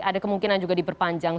ada kemungkinan juga diperpanjang